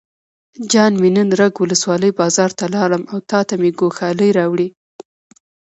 جان مې نن رګ ولسوالۍ بازار ته لاړم او تاته مې ګوښالي راوړې.